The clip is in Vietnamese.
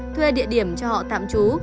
thuê địa điểm cho họ tạm trú